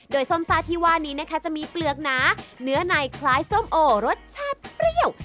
โดยส้มซ่าที่ว่านี้นะคะจะมีเปลือกหนาเนื้อในคล้ายส้มโอรสชาติเปรี้ยว